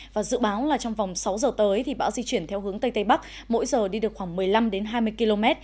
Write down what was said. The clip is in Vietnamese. và dự báo là trong vòng sáu giờ tới thì bão di chuyển theo hướng tây tây bắc mỗi giờ đi được khoảng một mươi năm hai mươi km